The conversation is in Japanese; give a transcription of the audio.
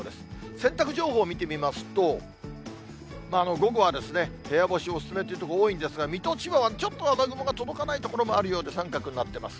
洗濯情報を見てみますと、午後は部屋干しお勧めという所多いんですが、水戸、千葉はちょっと雨雲が届かない所もあるようで三角になってます。